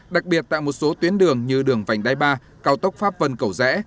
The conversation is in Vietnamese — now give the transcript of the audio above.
đặc biệt tại một số tuyến đường như đường vành đai ba cao tốc pháp vân cầu rẽ